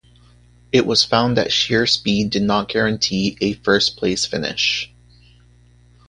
It was found that sheer speed did not guarantee a first-place finish.